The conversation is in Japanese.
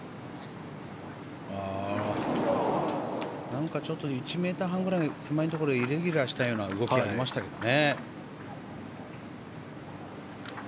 何かちょっと１ｍ半くらいのところでイレギュラーしたような動きがありましたね。